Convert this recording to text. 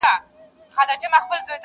چي مي لاستی له خپل ځانه دی نړېږم!.